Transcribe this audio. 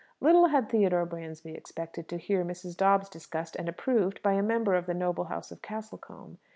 Little had Theodore Bransby expected to hear Mrs. Dobbs discussed and approved by a member of the noble house of Castlecombe.